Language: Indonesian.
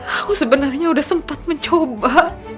aku sebenarnya udah sempat mencoba